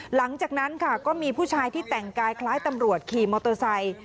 หลังจากนั้นค่ะก็มีผู้ชายที่แต่งกายคล้ายตำรวจขี่มอเตอร์ไซค์